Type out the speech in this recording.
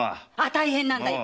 大変なんだよ。